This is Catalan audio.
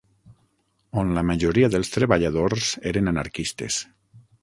...on la majoria dels treballadors eren anarquistes